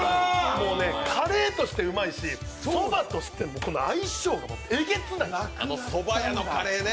カレーとしてもおいしいしそばとしても相性、えげつないですあのそば屋のカレーね。